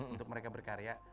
untuk mereka berkarya